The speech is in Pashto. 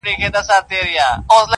هېري له ابا څه دي لنډۍ د ملالیو!!